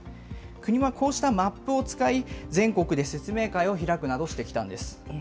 国はこうしたマップを使い、全国で説明会を開くなどしてきたんです。